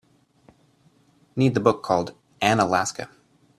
Need the book called ANAlaska